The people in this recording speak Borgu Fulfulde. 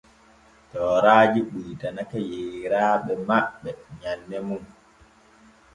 Tooraaji ɓuytanake yeeraaɓe maɓɓe nyanden mum.